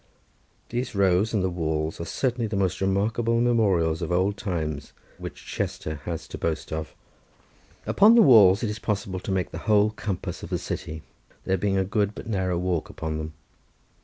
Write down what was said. These rows and the walls are certainly the most remarkable memorials of old times which Chester has to boast of. Upon the walls it is possible to make the whole compass of the city, there being a good but narrow walk upon them.